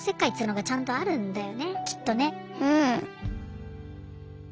うん。